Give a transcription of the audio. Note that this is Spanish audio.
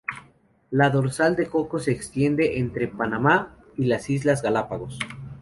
La dorsal de Cocos se extiende entre Panamá y las islas Galápagos.